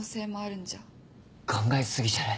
考え過ぎじゃない？